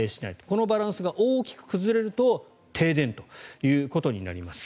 このバランスが大きく崩れると停電となります。